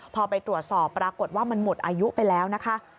พอไปตรวจสอบปรากฏว่ามันหมดอายุไปแล้วนะคะ